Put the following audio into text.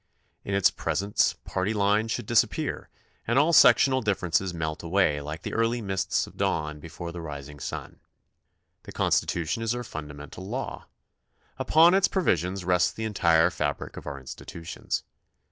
In its presence party lines should dis appear and all sectional differences melt away like the early mists of dawn before the rising sun. The Constitution is our fundamental law. Upon its pro visions rests the entire fabric of our institutions.